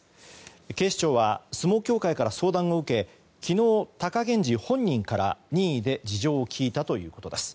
警視庁は相撲協会から相談を受け昨日、貴源治本人から任意で事情を聴いたということです。